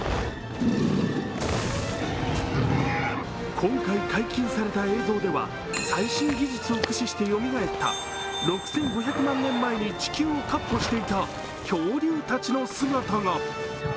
今回解禁された映像では最新技術を駆使してよみがえった６５００万年前に地球をかっ歩していた恐竜たちの姿が。